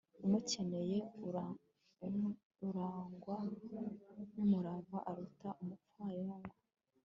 umukene urangwa n'umurava aruta umupfayongo